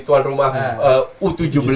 tuan rumah u tujuh belas